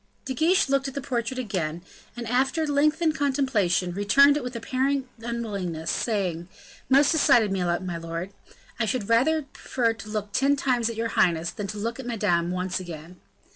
De Guiche looked at the portrait again, and, after lengthened contemplation, returned it with apparent unwillingness, saying, "Most decidedly, my lord, I should rather prefer to look ten times at your highness, than to look at Madame once again."